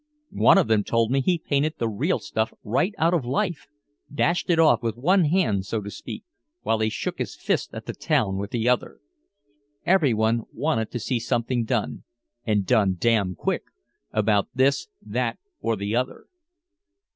One of them told me he "painted the real stuff right out of life" dashed it off with one hand, so to speak, while he shook his fist at the town with the other. Everyone wanted to see something done and done damn quick about this, that or the other.